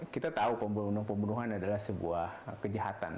kita tahu pembunuhan pembunuhan adalah sebuah kejahatan